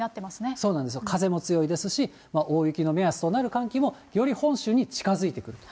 そうなんですよ、風も強いですし、大雪の目安となる寒気も、より本州に近づいてくる。